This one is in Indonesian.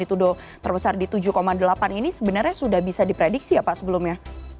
dituduh terbesar di tujuh delapan ini sebenarnya sudah bisa diprediksi ya pak sebelumnya